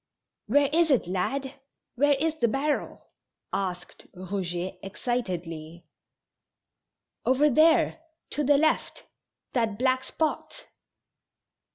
"Where is it, lad? Where is the barrel?" asked Eouget, excitedly. "Over there, to the left; that black spot."